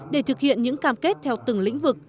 để thực hiện những cam kết theo từng lĩnh vực